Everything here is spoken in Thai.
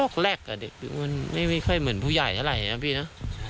โรคแรกอ่ะเด็กมันไม่ค่อยเหมือนผู้ใหญ่อะไรนะพี่นะ